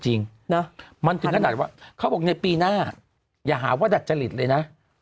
จริงนะมันถึงขนาดว่าเขาบอกในปีหน้าอย่าหาว่าดัดจริตเลยนะ